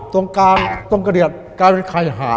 ตรงกลางตรงกระเดือดกลายเป็นไข่หาด